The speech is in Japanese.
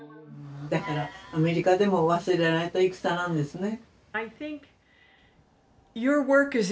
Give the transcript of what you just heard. だからアメリカでも忘れられた戦なんですね。